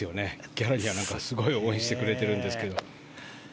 ギャラリーはすごい応援してくれてますけど。